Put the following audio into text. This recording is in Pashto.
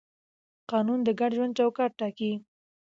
قانون د ګډ ژوند چوکاټ ټاکي.